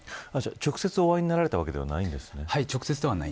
直接、お会いになられたわけではないんですね。